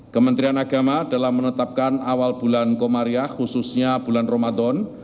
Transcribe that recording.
kementerian agama dalam menetapkan awal bulan komariah khususnya bulan ramadan